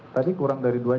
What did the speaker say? tadi kurang dari dua jam